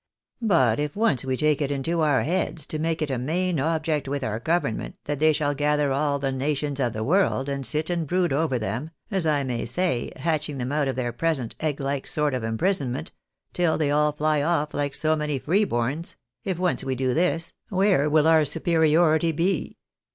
But if once we take it into our heads to make it a main object with our government that they shall gather all the nations of the world, and sit and brood over them, as I may A GLORIOTTS FUTUKE FOE 'THE WHOLE WORLD, 291 Bay, hatching them out of their present egg Uke sort of imprison ment, till they all fly off like so many free borns, if once we do this, where will our superiority be